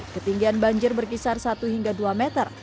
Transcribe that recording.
ketinggian banjir berkisar satu hingga dua meter